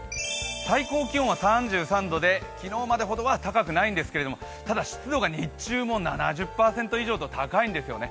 最高気温は３３度で昨日までほどは高くないんですけれども、ただ、湿度が日中も７０％以上と高いんですよね。